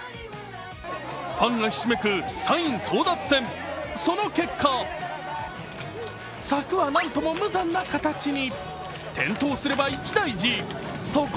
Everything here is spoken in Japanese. ファンがひしめくサイン争奪戦、その結果、柵はなんとも無残な形に。